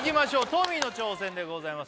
トミーの挑戦でございます